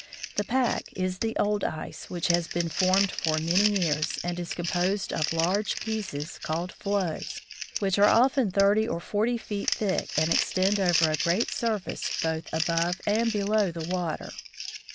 The pack is the old ice which has been formed for many years, and is composed of large pieces, called floes, which are often thirty or forty feet thick and extend over a great surface both above and below the water.